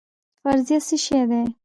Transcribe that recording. فرضیه څه شی دی؟